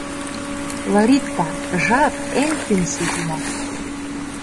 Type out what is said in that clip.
— Лоритта, жап — эн тӱҥ судья.